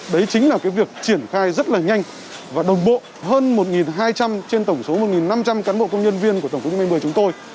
đấy chính là cái việc triển khai rất là nhanh và đồng bộ hơn một hai trăm linh trên tổng số một năm trăm linh cán bộ công nhân viên của tổng công ty một mươi chúng tôi